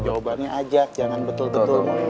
jawabannya ajak jangan betul betul